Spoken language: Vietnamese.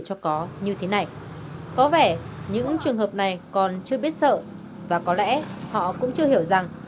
cho có như thế này có vẻ những trường hợp này còn chưa biết sợ và có lẽ họ cũng chưa hiểu rằng